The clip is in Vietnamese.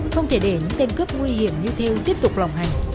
không thể để những tên cướp nguy hiểm như theo tiếp tục lòng hành